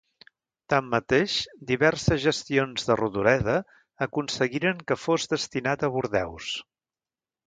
Tanmateix, diverses gestions de Rodoreda aconseguiren que fos destinat a Bordeus.